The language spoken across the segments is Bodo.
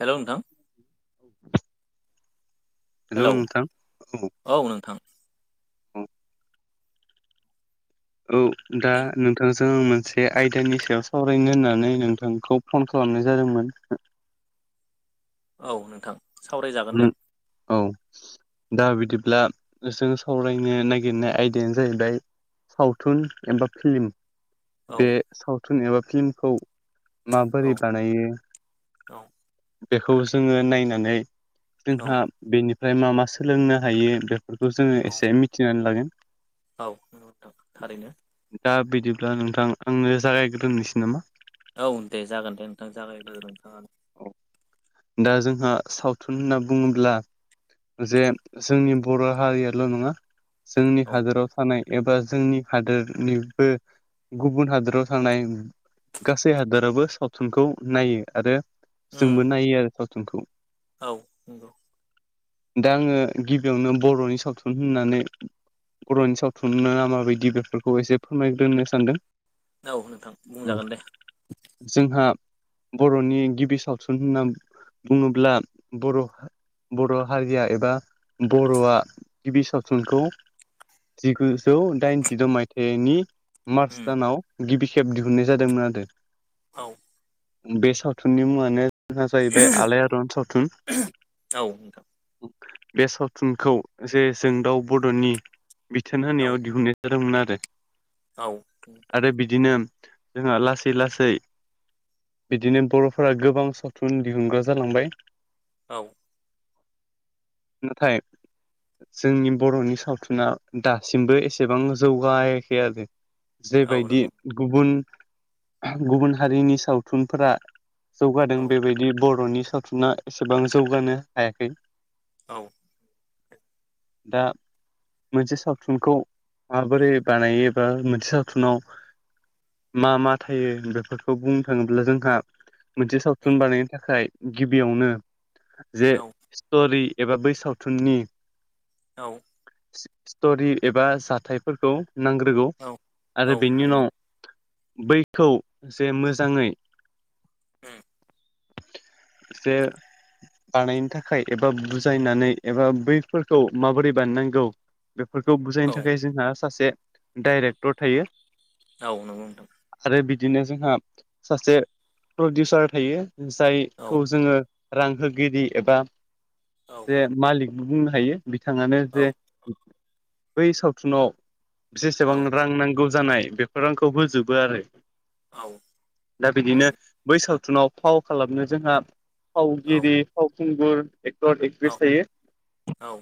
हेलौ नोंथां हेलौ नोंथां औ औ नोंथां। औ औ दा नोंथां जोङो मोनसे आयदानि सायाव सावरायनो होननानै नोंथांखौ फन खालामनाय जादोंमोन। औ नोंथां। सावरायजागोन उम दे औ। दा बिदिब्ला जों सावरायनो नागिरनाय आयदायानो जाहैबाय सावथुन एबा फिल्म औ बे सावथुन एबा फिल्मखौ माबोरै औ बानायो? औ बेखौ जोङो नायनानै औ जोंहा बेनिफ्राय मा मा सोलोंनो हायो बे बेखौ जोङो औ एसे मिथिनानै लागोन। औ नां थारैनो दा बिदिब्ला नोंथां आंनो जागायग्रदोंनोसै नामा? औ दे जागोन दे नोंथां जागायग्रो नोंथाङानो। दा जोंहा सावथुन होनना बुङोब्ला जे जोंनि बर' हारियाल' नङा जोंनि औ हादोराव थानाय एबा जोंनि हादोरनिबो गुबुन हादोराव थांनाय गासै हादोराबो सावथुनखौ नायो आरो उम जोंबो नायो आरो सावथुनखौ। औ नोंगौ। दा आङो गिबियावनो बर'नि सावथुन होननानै बर'नि सावथुननो माबायदि बेफोरखौ एसे फोरमायग्रोनो सानदों। औ नोंथां बुंजागोन दे। जोंहा बर'नि गिबि सावथुन होनना बुङोब्ला बर' बर' हारिया एबा बर'आ गिबि सावथुनखौ जिगुजौ दाइनजिद' माइथाइनि मार्च उम दानाव गिबि खेब दिहुननाय जादोंमोन आरो। औ बे सावथुननि मुङानो जोंहा जाहैबाय आलायारन सावथुन औ नोंथां बे सावथुनखौ जे जों दाउ बड'नि बिथोन औ होनायाव दिहुननाय जादोंमोन आरो। औ आरो बिदिनो जोंहा लासै लासै बिदिनो बर'फोरा गोबां सत थुन दिहुनग्रा जालांबाय। औ नाथाय जोंनि बर'नि सावथुना दासिमबो एसेबां जौगायाखै आरो। औ जेबायदि नंगौ गुबुन गुबुन हारिनि सावथुनफोरा जौगादों। औ बेबायदि बर'नि सावथुना एसेबां जौगानो हायाखै। औ दा मोनसे सावथुनखौ माबोरै बानायोबा मोनसे सावथुनाव मा मा थायो बेफोरखौ बुंनो थाङोब्ला जोंहा मोनसे उम सावथुन बानायनो थाखाय गिबियावनो जे औ स्ट'रि एबा बै सावथुननि औ स्टरि एबा जाथायफोरखौ नांग्रोगौ औ औ आरो बेनि थारैनो उनाव बैखौ जे मोजाङै उम से बानायनो थाखाय एबा बुजायनानै एबा बैफोरखौ माबोरै बानायनांगौ? बेफोरखौ बुजायनो औ थाखाय जोंहा सासे डाइरेक्टर थायो। औ नंगौ नोंथां। आरो बिदिनो जोंहा सासे प्रडिउसार थायो। औ जायखौ जोङो रां होगिरि एबा औ जे मालिक बुंनो हायो बिथाङानो औ जे बै सावथुनाव जसेबां औ रां नांगौ जानाय बेफोर रांखौ होजोबो आरो। औ दा बिदिनो थारैनो बै सावथुनाव फाव खालामनो जोंहा औ फावगिरि फावखुंगुर एकटर औ एकट्रिस थायो। औ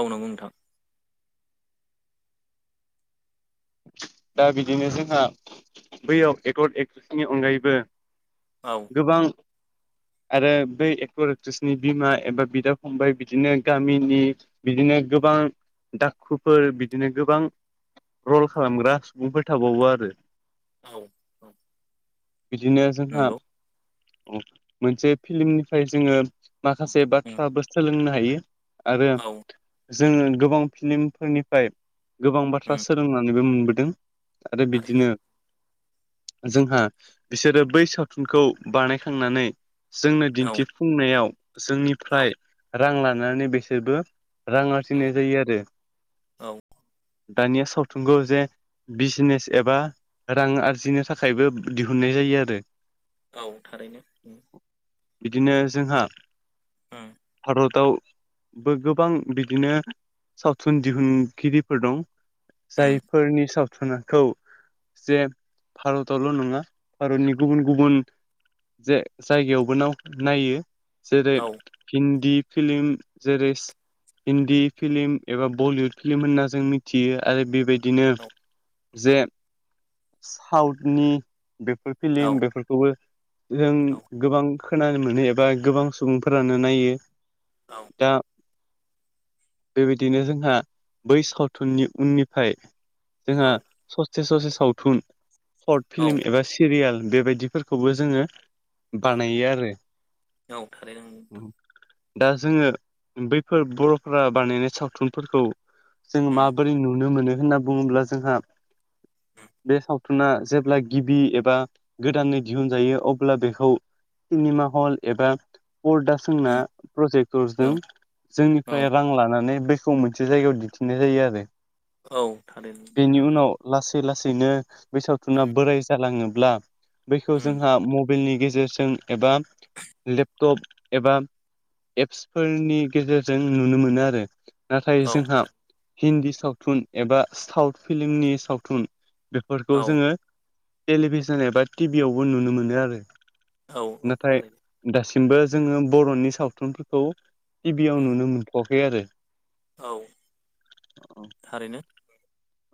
औ नंगौ नोंथां। दा बिदिनो जोंहा बैयाव एक्कर्ड एक्ट्रिसनि अनगायैबो औ गोबां आरो बै एक्टर एक्ट्रिसनि बिमा एबा बिदा फंबाय बिदिनो गामिनि बिदिनो गोबां दाखुफोर बिदिनो गोबां रल खालामग्रा सुबुंफोरै थाबावो आरो। औ औ बिदिनो जोंहा नंगौ मोनसे फिल्मनिफ्राय जोङो माखासे उम बाथ्राबो सोलोंनो हायो आरो औ जोङो गोबां फिल्मफोरनिफ्राय गोबां बाथ्रा उम सोलोंनानैबो मोनबोदों। आरो थारैनो बिदिनो जोंहा बिसोरो बै सावथुनखौ बानायखांनानै जोंनो औ दिन्थिफुंनायाव औ जोंनिफ्राय रां लानानै बिसोरबो रां औ आरजिनाय जायो आरो दानिया सावथुनखौ जे बिजनेस एबा रां आरजिनो थाखायबो दिहुननाय जायो आरो। औ थारैनो बिदिनो जोंहा ओ भारतावबो गोबां बिदिनो सावथुन दिहुनगिरिफोर दं। उम जायफोरनि सावथुनाखौ जे भारतावल' नङा भारतनि गुबुन गुबुन जे जायगायावबो नायो जेरै औ हिन्दी फिलम जेरैस हिन्दी फिलिम एबा बलिउद फिलि्म होनना जों मिथियो। आरो बेबायदिनो औ जे साउथनि बेफोर औ फिल्म बेफोरखौबो जों गोबां खोनानो मोनो एबा गोबां सुबुंफोरानो नायो औ दा बेबायदिनो जोंहा बै सावथुननि उननिफ्राय जोंहा ससे ससे सावथुन सर्ट औ औ फिल्म एबा सिरियाल बेबायदिफोरखौबो जोङो बानायो आरो। औ थारैनो नोंथां दा जोङो बैफोर बर'फोरा बानायनाय सावथुनफोरखौ जों उम मा नुनो मोनो होनना बुङोब्ला जोंहा बे सावथुन सावथुना जेब्ला गिबि एबा गोदानै दिहुनजायो अब्ला बेखौ सिनेमा हल एबा अर्दा सोंना उम प्रजेक्टरजों औ औ जोंनिफ्राय रां लानानै बे सम मोनसे जायगायाव दिन्थिनाय जायो आरो औ थारै बेनि नोंथां उनाव लासै लासैनो बे सावथुना बोराय जालाङोब्ला बैखौ उम जोंहा म मबाइलनि गेजेरजों एबा लेपटप एबा एप्सफोरनि गेजेरजों नुनो मोनो आरो नाथाय औ जोंहा हिन्दी सावथुन एबा साउथ फिलिमनि सावथुन बेफोरखौ औ जोङो टेलिभिसन एबा टिभियावबो नुनो मोनो आरो औ औ नाथाय थारैनो दासिमबो जोङो बर'नि सावथुनफोरखौ टिभियाव उम नुनो मोनथ'वाखै आरो औ थारैनो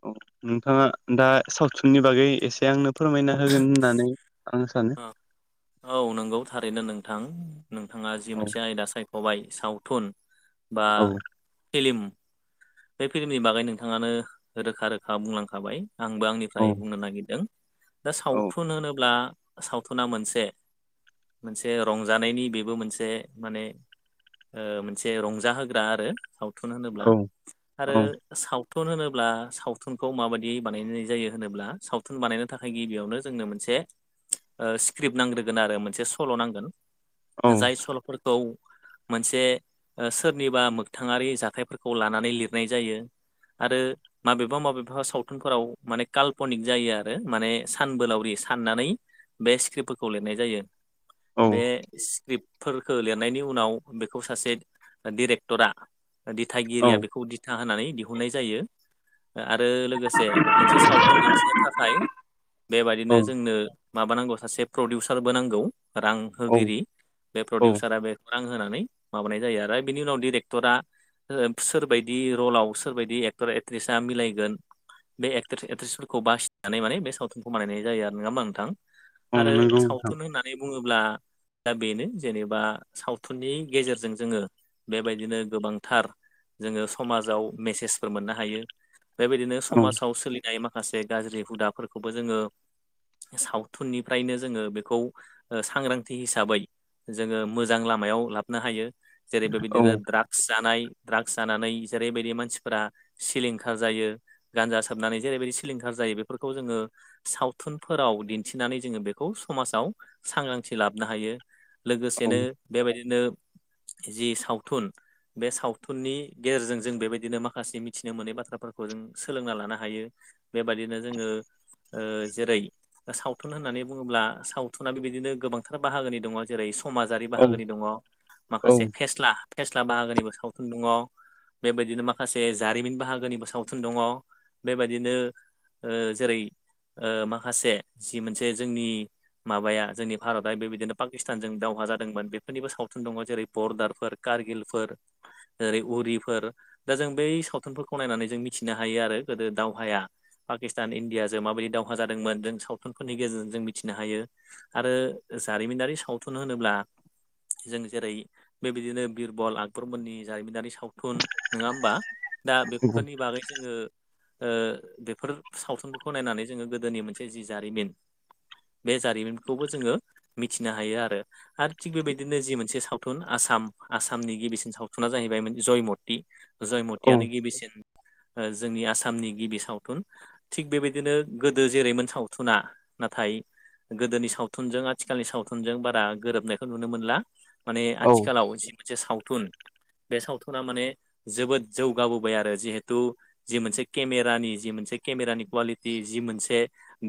औ नोंथाङा दा सावथुननि बागै एसे आंनो फोरमायना होगोन होननानै आं सानो ओ औ नंगौ थारैनो नोंथां नोंथाङा जि औ मोनसे आयदा साय खबाइ सावथुन बा औ फिलिम बे फिल्मनि बागै नोंथाङानो रोखा रोखा बुंलांखाबाय आंबो औ आंनिफ्राय बुंनो नागिरदों दा सावथुन होनोब्ला सावथुना मोनसे मोनसे रंजानायनि बेबो मोनसे माने मोनसे रंजााहोग्रा आरो सावथुन औ होनोब्ला आरो औ सावथुन होनोब्ला सावथुनखौ माबायदि बानायनाय जायो होनोब्ला सावथुन बानायनानै थाखाय गिबियावनो जोंनो मोनसे स्क्रिप्ट नांग्रोगोन आरो मोनसे सल' नांगोन औ जाय सल'फोरखौ मोनसे सोरनिबा मोगथाङारि जाथायफोरखौ लानानै नानै लिरनाय जायो आरो माबेबा माबेबा सावथुनफोराव माने काल्पनिक जायो आरो माने सानबोलावरि साननानै बे स्क्रिप्टफोरखौ लिरनाय जायो बे स्क्रिप्ट फोरखौ लिरनायनि उनाव बेखौ सासे डिरेक्टरा औ दिथागिरिया बे खौ दिथा होनानै दिहुननाय जायो आरो लोगोसे मोनसे सावथुन दिन्थिनो थाखाय बेबायदिनो औ जोंनो माबा नांगौ सासे प्रडिउसारबो नांगौ रां होगिरि बे औ प्रडिउसारा बे रां होनानै माबानाय जायो आरो बिनि उनाव डिरेक्टरा सोरबायदि बिदि रलाव सोरबदि एक्टर एक्ट्रिसा मिलायगोन बे एक्ट्रिस एक्ट्रिसफोरखौ बासिनानै माने बे सावथुनखौ मानायनाय जायो नङा होमबा नोंथां औ आरो नंगौ नोंथां सावथुन होननानै बुङोब्ला दा बेनो जेनेबा सावथुननि गेजेरजों जोङो बेबायदिनो गोबांथार जोङो समाजाव मेसेजफोर मोननो हायो बेबायदिनो समाजाव सोलि माखासे गाज्रि हुदाफोरखौबो जोङो सावथुननिफ्रायनो जोङो बेखौ सांग्रांथि हिसाबै जोङो मोजां लामायाव लाबोनो हायो जेरै औ बेबायदिनो ड्राग्स जानाय ड्राग्स जानानै जेरैबायदि मानसिफोरा सिलिंखार जायो गान्जा साबनानै जेरैबायदि सिलिंखार जायो बेफोरखौ जोङो सावथुनफोराव दिन्थिनानै जोङो बेखौ समाजाव सांग्रांथि लाबोनो हायो लोगोसेनो औ बेबायदिनो जि सावथुन बे सावथुननि गेजेरजों जों बेबायदिनो माखासे मिथिनो मोनै बाथ्राफोरखौ जों सोलोंना लानो हायो बेबायदिनो जोङो जेरै सावथुन होननानै बुङोब्ला सावथुनाना बेबायदिनो गोबांथार बाहागोनि दङ जेरै समाजारि औ बाहागोनि दङ औ माखासे फेस्ला फेस्ला बाहागोनिबो सावथुन दङ बेबायदिनो माखासे जारिमिन बाहागोनिबो सावथुन दङ बेबायदिनो ओ ओ जेरै माखासे जि मोनसे जोंनि माबाया जोंनि भारतआ बेबायदिनो पाकिस्तानजों दावहा जादोंमोन बेफोरनिबो सावथुन दङ जेरै बरदारफोर। कारगिलफोर ओेरै उरिफोर। दा जों बै सावथुनफोरखौ नायनानै जों मिथिनो हायो आरो गोदो दावहाया। पाकिस्तान इण्डियाजों माबायदि दावहा जादोंमोन जों सावथुनफोरनि गेजेरजों जों मिथिनो हायो। आरो जारिमिनारि सावथुन होनोब्ला जों जेरै बेबायदिनो बिरबल आकबरमोननि जारिमिनारि सावथुन नङा होमबा दा बेफोरनि बागै जोङो ओ बेफोर सावथुनफोरखौ नायनानै जोङो गोदोनि मोनसे जि जारिमिन बे जारिमिनखौबो जोङो मिथिनो हायो आरो। आरो थिग बेबायदिनो जि मोनसे सावथुन आसाम आसामनि गिबिसिन सावथुना जाहैबाय जयमति। जयमतियानो गिबिसिन ओ जोंनि आसामनि गिबि सावथुन। थिग बेबायदिनो गोदो जेरैमोन सावथुना नाथाय गोदोनि सावथुनजों आथिखालनि सावथुनजों बारा गोरोबनायखौ नुनो मोनला। माने औ आथिखालाव जि मोनसे सावथुन बे सावथुना माने जोबोद जौगाबोबाय आरो जिहेथु जि मोनसे केमेरानि जि मोनसे केमेरानि कुवालिटि जि मोनसे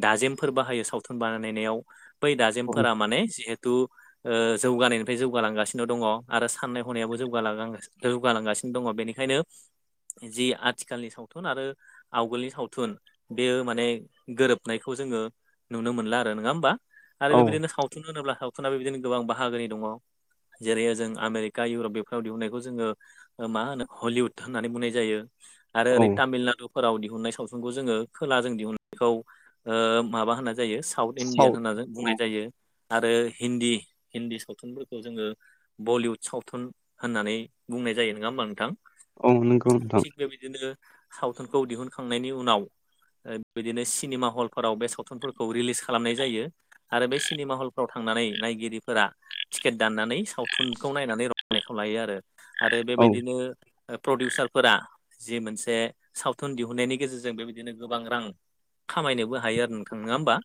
दाजेमफोर बाहायो सावथुन बानायनायाव बै औ दाजेमफोरा माने जिहेथु ओ जौगानायनिफ्राय जौगालांगासिनो दङ आरो साननाय हनायाबो जौगालां जौगालांगासिनो दङ। बेनिखायनो जि आथिखालनि सावथुन आरो आवगोलनि सावथुन बेयो माने गोरोबनायखौ जोङो नुनो मोनला आरो नङा ओमबा? आरो औ बेबायदिनो सावथुन होनोब्ला सावथुना बेबायदिनो गोबां बाहागोनि दङ। जेरै जों आमेरिका इउरप बेफोराव दिहुननायखौ जोङो मा होनो? हलिउद होननानै बुंनाय जायो आरो औ ओरै तामिलनाडु फोराव दिहुननाय सावथुनखौ जोङो खोला जों दिहुननायखौ ओ माबा होननाय जायो साउथ इण्डियान होननानै बुंनाय जायो आरो हिन्दी हिन्दी सावथुनफोरखौ जोङो बलिीउुद सावथुन होननानै बुंनाय जायो नङा होमबा नोंथां? औ नंगौ नोंथां थिग बेबायदिनो सावथुनखौ दिहुनखांनायनि उनाव बेबायदिनो सिनेमा हलफोराव बे सावथुनफोरखौ रिलिस खालामनाय जायो। आरो बे सिनेमा हलफ्राव थांनानै नायगिरिफोरा टिकेट दाननानै सावथुनखौ नायनानै रंनायखौ लायो आरो आरो औ बेबायदिनो प्रडिउसारफोरा जि मोनसे सावथुन दिहुननायनि गेजेरजों बेबायदिनो गोबां रां खामायनोबो हायो आरो नोंथां नङा ओमबा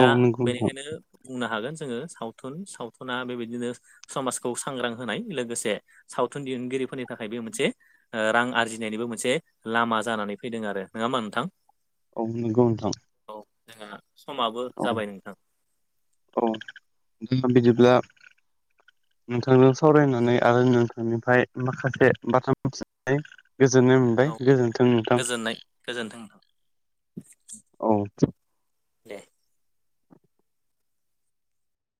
औ नंगौ नोंथां बेनिखायनो बुंनो हागोन जोङो सावथुन सावथुना बेबायदिनो समाजखौ सांग्रां होनाय लोगोसे सावथुन दिहुनगिरिफोरनि थाखाय बे मोन मोनसे ओ रां आरजिनायनिबो मोनसे लामा जानानै फैदों आरो नङा ओमबा नोंथां? औ नोंगौ नोंथां। औ जोंहा समाबो औ जाबाय नोंथां। औ दा बिदिब्ला नोंथांजों सावरायनानै आरो नोंथांनिफ्राय माखासे बाथ्रा मिथि नानै गोजोननाय मोनबाय औ गोजोन्थों नोंथां। गोजोननाय गोजोन्थों नोंथां। औ दे